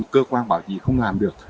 cơ quan báo chí không làm được